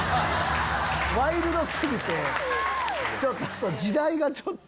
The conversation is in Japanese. ワイルド過ぎて時代がちょっと。